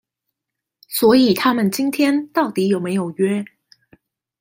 所以他們今天到底有沒有約